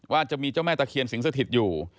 ว่าจะมีเจ้าแม่ตะเคียนสิงสถิตอยู่